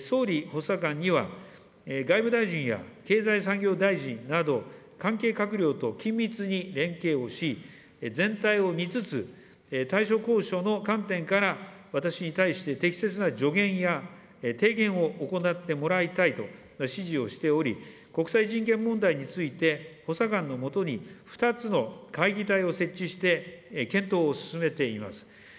総理補佐官には、外務大臣や経済産業大臣など、関係閣僚と緊密に連携をし、全体を見つつ、大所高所の観点から私に対して適切な助言や提言を行ってもらいたいと指示をしており、国際人権問題について、補佐官のもとに２つの会議体を設置して、検討を進めています。